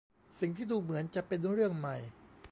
สิ่งที่ดูเหมือนจะเป็นเรื่องใหม่